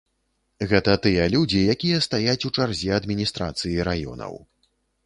Гэта тыя людзі, якія стаяць у чарзе адміністрацыі раёнаў.